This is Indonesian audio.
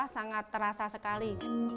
sangat terasa sekali